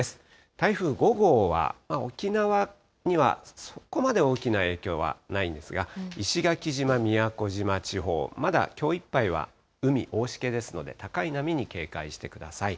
台風５号は沖縄にはそこまで大きな影響はないんですが、石垣島、宮古島地方、まだきょういっぱいは海、大しけですので、高い波に警戒してください。